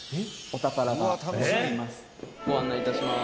ご案内いたします。